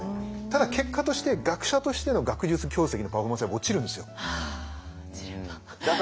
ただ結果として学者としての学術業績のパフォーマンスは落ちるんですよ。はあ落ちるんだ。